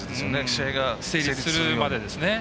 試合が成立するまで。